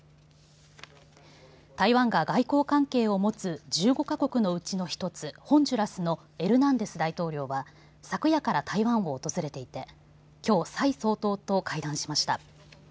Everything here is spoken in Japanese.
台湾が外交関係を持つ１５か国のうちの１つホンジュラスのエルナンデス大統領は昨夜から台湾を訪れていてきょう、蔡総統と会談しました。